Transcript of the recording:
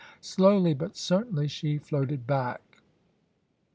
Slowly but certainly she floated back.